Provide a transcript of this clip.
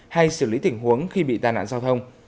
hay xử lý tình huống khi bị tai nạn giao thông